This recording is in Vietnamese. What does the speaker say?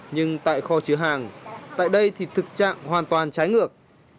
nhưng tại kho chứa hàng tại đây thì thực trạng hoàn toàn trái ngược